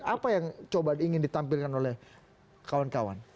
apa yang coba ingin ditampilkan oleh kawan kawan